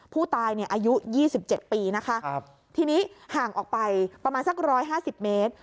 ผู้ตายเนี่ยอายุ๒๗ปีนะคะทีนี้ห่างออกไปประมาณสัก๑๕๐เมตร